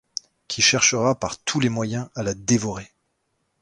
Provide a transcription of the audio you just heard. Qui cherchera par tous les moyens à la dévorer.